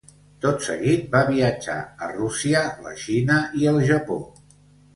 Tot seguit va viatjar a Rússia, la Xina i el Japó.